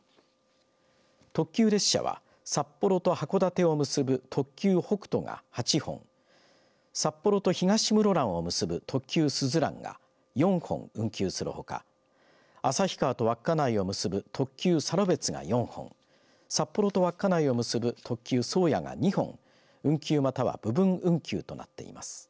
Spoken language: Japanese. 特急列車は札幌と函館を結ぶ特急北斗が８本札幌と東室蘭を結ぶ特急すずらんが４本運休するほか旭川と稚内を結ぶ特急サロベツが４本札幌市と稚内を結ぶ特急宗谷が２本運休、または部分運休となっています。